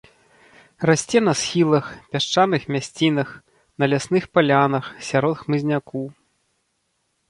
Расце на схілах, пясчаных мясцінах, на лясных палянах, сярод хмызняку.